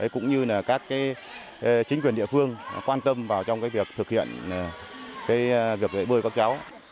cũng như các chính quyền địa phương quan tâm vào việc thực hiện việc dạy bơi các cháu